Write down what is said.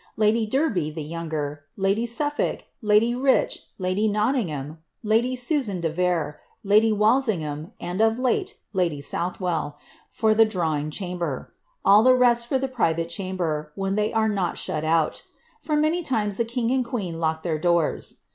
Ladv Derbv, (tiie voun^er. Wv SulToIk, lady Rich, lady Kotlingliam, lady'Susan de Vere,' ladyWalMiL ham, and of late lady Southwell, for the drawing chamber ; all the re^i for the private chamber, when they are nol shut out; for nianv imits the king and queen lock their doors.